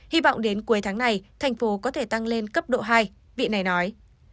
hy vọng đến cuối tháng này tp hcm có thể tăng lên cấp độ hai vị này nói